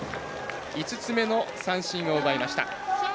５つ目の三振を奪いました。